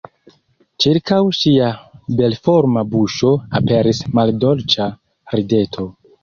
Ĉirkaŭ ŝia belforma buŝo aperis maldolĉa rideto.